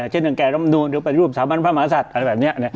เช่นอย่างแกรมนูนหรือเป็นรูปสามัญพระมหาศัตริย์